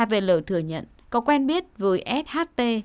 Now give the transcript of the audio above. hvl thừa nhận có quen biết với sht